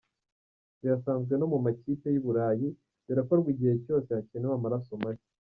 Birasanzwe no mu makipe y’i Burayi birakorwa igihe cyose hakenewe amaraso mashya.